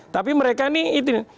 tapi mereka nih itu